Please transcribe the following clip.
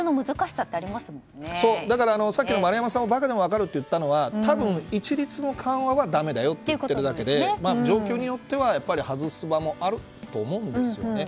そう、だから、さっき丸山さんがバカだって言ったのは一律の緩和はだめだってことで状況によっては外す場もあると思うんですよね。